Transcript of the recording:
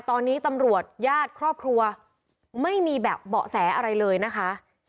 ตอนนี้ตำรวจญาติครอบครัวไม่มีแบบเบาะแสอะไรเลยนะคะ